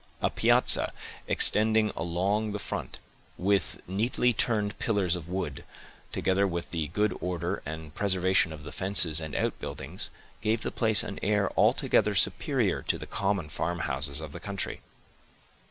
A piazza, extending along the front, with neatly turned pillars of wood, together with the good order and preservation of the fences and outbuildings, gave the place an air altogether superior to the common farmhouses of the country.